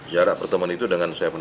jarak perteman itu dengan pak haritano